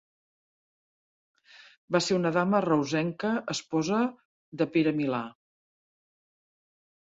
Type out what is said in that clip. Va ser una dama reusenca esposa de Pere Milà.